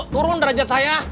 turun derajat saya